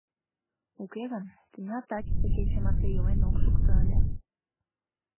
Уке гын, тӱня тачысе кече марте илен ок шукто ыле.